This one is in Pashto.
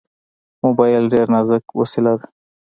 موبایل ډېر نازک وسیله ده.